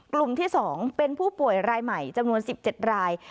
กลุ่มที่๒เป็นผู้ป่วยรายใหม่จำนวน๑๗ราย